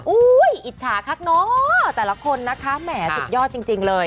อิจฉาคักเนาะแต่ละคนนะคะแหมสุดยอดจริงเลย